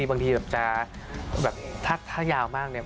คุณผู้ชมไม่เจนเลยค่ะถ้าลูกคุณออกมาได้มั้ยคะ